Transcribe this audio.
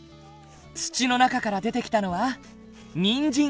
土の中から出てきたのはにんじん。